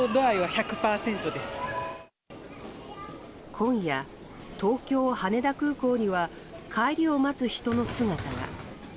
今夜、東京・羽田空港には帰りを待つ人の姿が。